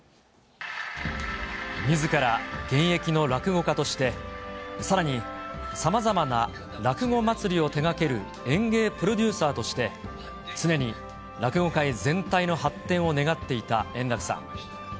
みずから現役の落語家として、さらにさまざまな落語祭りを手がける演芸プロデューサーとして、常に落語界全体の発展を願っていた円楽さん。